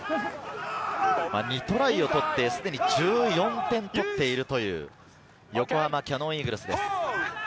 ２トライを取って、すでに１４点取っている横浜キヤノンイーグルスです。